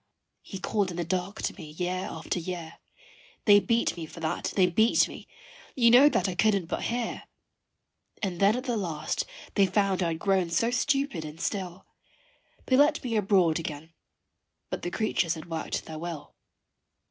he called in the dark to me year after year They beat me for that, they beat me you know that I couldn't but hear; And then at the last they found I had grown so stupid and still They let me abroad again but the creatures had worked their will.